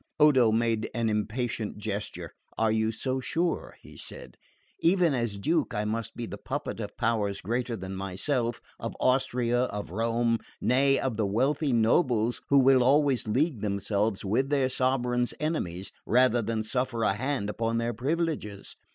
Odo made an impatient gesture. "Are you so sure?" he said. "Even as Duke I must be the puppet of powers greater than myself of Austria, of Rome, nay, of the wealthy nobles who will always league themselves with their sovereign's enemies rather than suffer a hand upon their privileges.